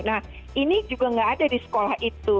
nah ini juga nggak ada di sekolah itu